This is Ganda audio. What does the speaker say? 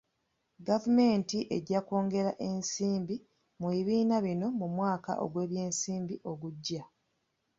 Gavumenti ejja kwongera ensimbi mu bibiina bino mu mwaka gw'ebyensimbi ogujja.